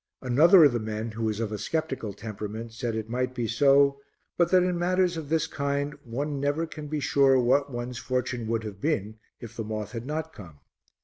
Another of the men, who was of a sceptical temperament, said it might be so, but that in matters of this kind one never can be sure what one's fortune would have been if the moth had not come.